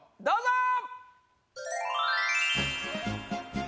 どうぞ！